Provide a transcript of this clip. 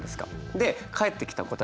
で返ってきた答え